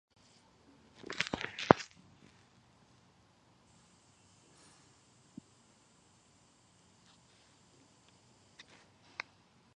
রাজকীয় লাইসেন্স ছাড়া এগুলোকে আলাদা করা যেত না।